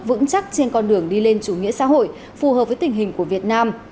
vững chắc trên con đường đi lên chủ nghĩa xã hội phù hợp với tình hình của việt nam